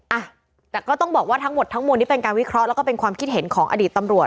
อ่ะแต่ก็ต้องบอกว่าทั้งหมดทั้งมวลนี้เป็นการวิเคราะห์แล้วก็เป็นความคิดเห็นของอดีตตำรวจ